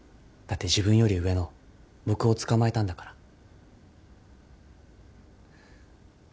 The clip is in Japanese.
だって自分より上の僕を捕まえたんだから。